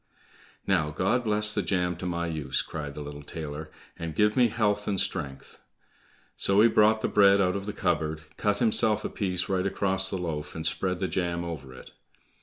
"Now, God bless the jam to my use," cried the little tailor, "and give me health and strength;" so he brought the bread out of the cupboard, cut himself a piece right across the loaf and spread the jam over it.